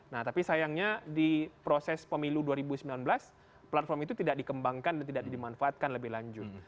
nah tapi sayangnya di proses pemilu dua ribu sembilan belas platform itu tidak dikembangkan dan tidak dimanfaatkan lebih lanjut